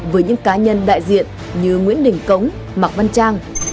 với những cá nhân đại diện như nguyễn đình cống mạc văn trang